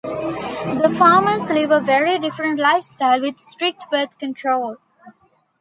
The farmers live a very different lifestyle, with strict birth control.